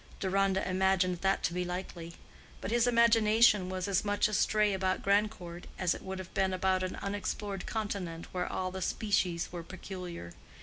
Deronda imagined that to be likely; but his imagination was as much astray about Grandcourt as it would have been about an unexplored continent where all the species were peculiar.